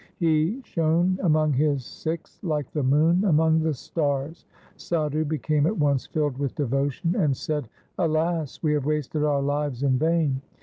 He shone among his Sikhs like the moon among the stars. Sadhu became at once filled with devotion and said, ' Alas ! we have wasted our lives in vain.